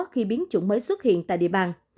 khi biến chủng mới xuất hiện tại địa bàn